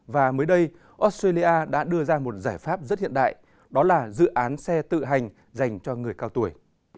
và mới đây australia đã đưa ra một giải pháp rất hiện đại đó là dự án xe tự hành dành cho người cao tuổi